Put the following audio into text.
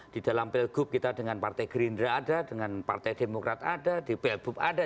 di dalam pilgub kita dengan partai gerindra ada dengan partai demokrat ada di pilgub ada